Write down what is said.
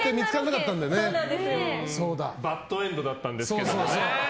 バッドエンドだったんですけど。